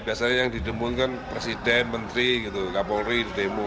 biasanya yang didemukan presiden menteri kapolri demo